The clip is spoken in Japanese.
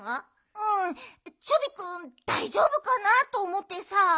うんチョビくんだいじょうぶかなあとおもってさ。